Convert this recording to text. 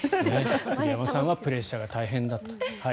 栗山さんはプレッシャーが大変だった。